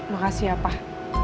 makasih ya pak